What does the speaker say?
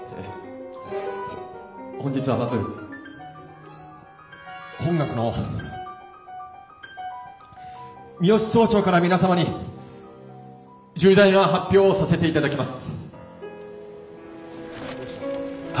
本日はまず本学の三芳総長から皆様に重大な発表をさせていただきます。